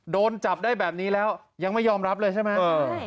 โดนจับได้แบบนี้แล้วยังไม่ยอมรับเลยใช่ไหม